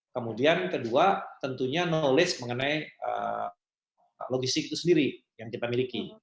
kemudian kedua tentunya knowledge mengenai logistik itu sendiri yang kita miliki